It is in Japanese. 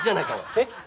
えっ？